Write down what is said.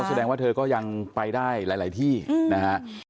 แสดงว่าเธอก็ยังไปได้หลายที่นะฮะ